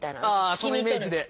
ああそのイメージで。